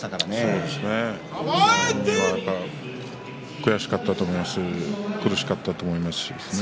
そうですね本人は悔しかったと思いますし苦しかったと思います。